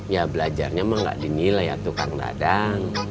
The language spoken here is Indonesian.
ya belajarnya emang nggak dinilai ya tuh kang dadang